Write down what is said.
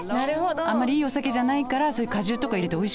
あんまりいいお酒じゃないからそういう果汁とか入れておいしくしたんだよ。